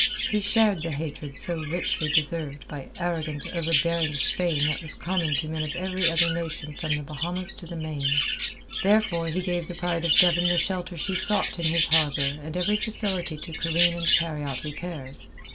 He shared the hatred so richly deserved by arrogant, overbearing Spain that was common to men of every other nation from the Bahamas to the Main. Therefore he gave the Pride of Devon the shelter she sought in his harbour and every facility to careen and carry out repairs.